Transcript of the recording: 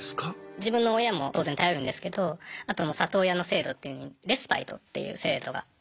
自分の親も当然頼るんですけどあと里親の制度っていうのにレスパイトっていう制度がありまして。